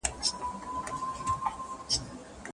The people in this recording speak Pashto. اقتصادي وده د خوشحاله ټولني نښه ده.